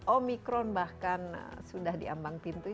omikron bahkan sudah diambang pintu